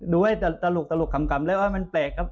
ดูให้ตลกคำแล้วมันแปลกครับ